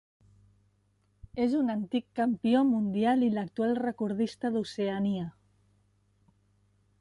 És un antic campió mundial i l'actual recordista d'Oceania.